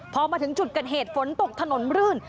พอมาถึงจุดเกิดเหตุฝนตกถนนรื่น